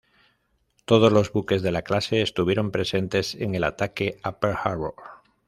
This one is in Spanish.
Todos los buques de la clase, estuvieron presentes en el ataque a Pearl Harbor.